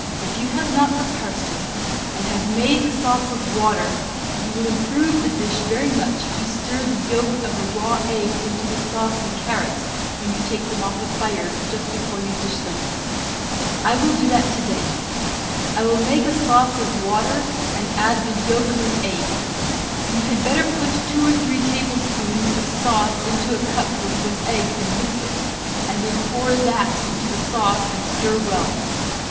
If you have not parsley, and have made the sauce of water, you will improve the dish very much if you stir the yolk of a raw egg into the sauce and carrots when you take them off the fire, just before you dish them. I will do that to day. I will make a sauce of water and add the yolk of an egg. You had better put two or three tablespoons of sauce into a cup with the egg and mix it, and then pour that into the sauce and stir it well.